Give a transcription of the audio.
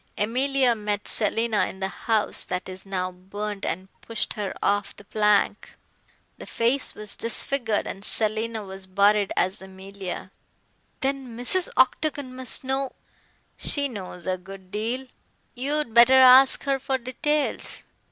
Emilia met Selina in the house that is now burnt and pushed her off the plank. The face was disfigured and Selina was buried as Emilia." "Then Mrs. Octagon must know " "She knows a good deal. You'd better ask her for details.